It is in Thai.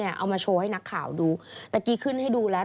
เอามาโชว์ให้นักข่าวดูตะกี้ขึ้นให้ดูแล้ว